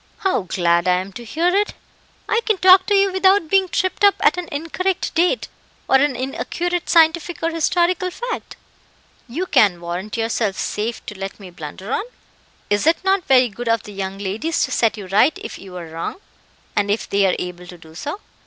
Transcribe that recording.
"How glad I am to hear it! I can talk to you without being tripped up at an incorrect date, or an inaccurate scientific or historical fact. You can warrant yourself safe to let me blunder on?" "Is it not very good of the young ladies to set you right if you are wrong, and if they are able to do so?"